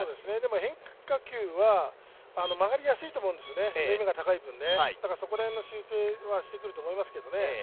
変化球は曲がりやすいと思うんですよね、縫い目が高い分、だからその辺の修正はしてくると思いますけどね。